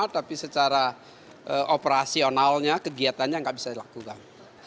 tapi secara operasionalnya kegiatannya nggak bisa dilakukan